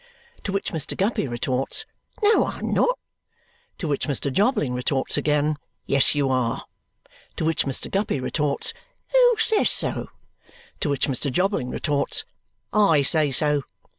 To which Mr. Guppy retorts, "No, I am not." To which Mr. Jobling retorts again, "Yes, you are!" To which Mr. Guppy retorts, "Who says so?" To which Mr. Jobling retorts, "I say so!"